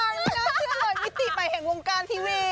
เดี๋ยวเชื่อเลยวิธีใหม่แห่งวงการทีวี